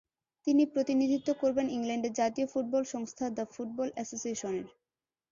তিনি প্রতিনিধিত্ব করবেন ইংল্যান্ডের জাতীয় ফুটবল সংস্থা দ্য ফুটবল অ্যাসোসিয়েশনের।